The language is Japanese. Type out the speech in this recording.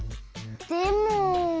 でも。